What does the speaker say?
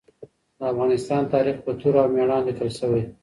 د افغانستان تاریخ په توره او مېړانه لیکل شوی.